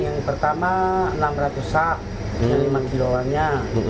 yang pertama enam ratus sak lima kilo an nya